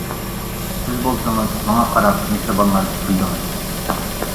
سىز بولسىڭىز ماڭا قاراپ مېھرىبانلارچە كۈلدىڭىز.